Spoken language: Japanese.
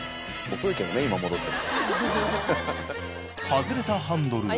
遅いけどね今戻っても。